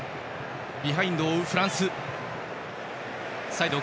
ビハインドを追うフランス。